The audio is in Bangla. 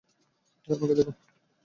আরে আমাকে দেখো।